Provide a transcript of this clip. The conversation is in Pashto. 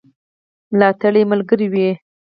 ملاتړ ملګری وي.